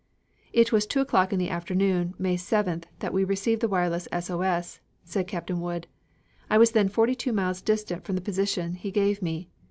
"It was two o'clock in the afternoon, May 7th, that we received the wireless S O S," said Captain Wood. "I was then forty two miles distant from the position he gave me.